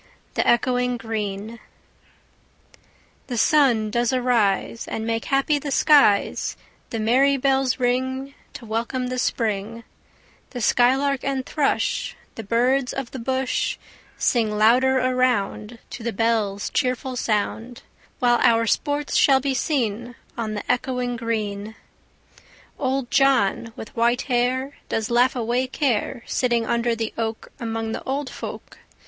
THE ECHOING GREEN The sun does arise, And make happy the skies; The merry bells ring To welcome the Spring; The skylark and thrush, The birds of the bush, Sing louder around To the bells' cheerful sound; While our sports shall be seen On the echoing green. Old John, with white hair, Does laugh away care, Sitting under the oak, Among the old folk.